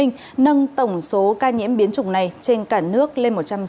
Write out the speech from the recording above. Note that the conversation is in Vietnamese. nâng tổng số ca nhiễm biến chủng này trên cả nước lên một trăm sáu mươi ba ca